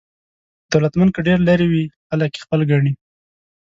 دولتمند که ډېر لرې وي خلک یې خپل ګڼي.